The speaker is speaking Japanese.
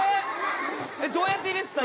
どうやって入れてた？